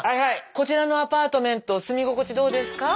こちらのアパートメント住み心地どうですか？